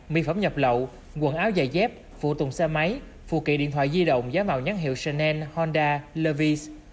mi phẩm nhập lậu quần áo dài dép phụ tùng xe máy phụ kỳ điện thoại di động giá mạo nhắn hiệu chanel honda levis